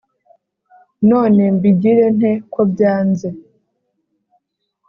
None mbigirente ko byanze